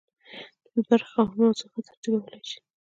د بي برخې خاوند موضوع ښه ترتیبولی شي.